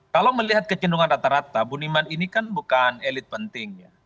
kalau melihat kecenderungan rata rata buniman ini kan bukan elit penting ya